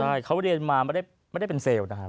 ใช่เขาเรียนมาไม่ได้เป็นเซลล์นะครับ